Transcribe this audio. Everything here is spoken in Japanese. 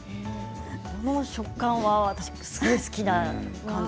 この食感、すごく好きな感じ。